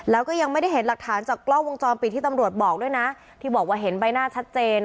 แล้วก็ยังไม่ได้เห็นหลักฐานจากกล้องวงจรปิดที่ตำรวจบอกด้วยนะที่บอกว่าเห็นใบหน้าชัดเจน